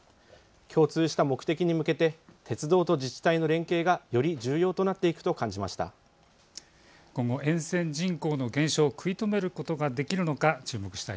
共通した目的に向けて鉄道と自治体の連携がより重要となっていくと感じました。